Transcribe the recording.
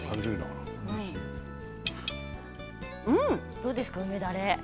どうですか、梅だれ。